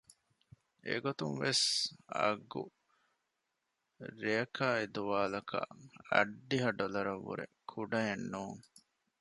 އެގޮތުން ވެސް އަގު ރެއަކާއި ދުވާލަކަށް އަށްޑިހަ ޑޮލަރަށް ވުރެ ކުޑައެއް ނޫން